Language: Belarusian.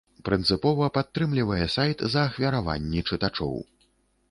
Прынцыпова падтрымлівае сайт за ахвяраванні чытачоў.